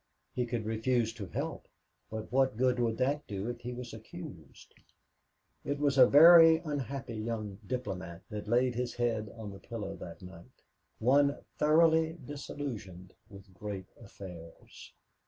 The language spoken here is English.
He could refuse to help, but what good would that do if he was accused. It was a very unhappy young diplomat that laid his head on the pillow that night one thoroughly disillusioned with great affairs.